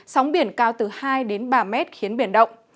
sóng biển cao từ hai đến ba mét khiến biển động